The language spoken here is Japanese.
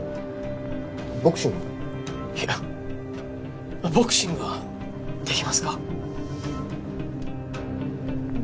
いやボクシングはできますか？